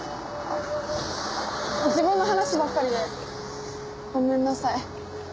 自分の話ばっかりでごめんなさい。